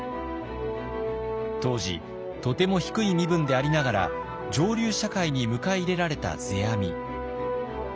当時とても低い身分でありながら上流社会に迎え入れられた世阿弥。